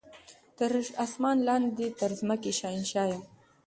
تر اسمان لاندي تر مځکي شهنشاه یم